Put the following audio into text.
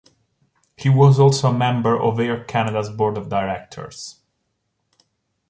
He was also a member of Air Canada's board of directors.